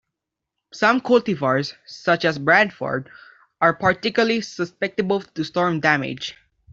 Some cultivars, such as 'Bradford', are particularly susceptible to storm damage.